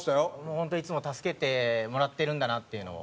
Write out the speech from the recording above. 本当いつも助けてもらってるんだなっていうのを。